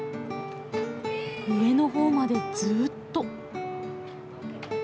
上の方までずっと。